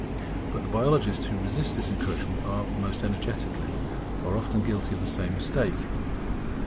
But the biologists who resist this encroachment most energetically, are often guilty of the same mistake.